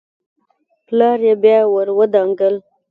پلار يې بيا ور ودانګل.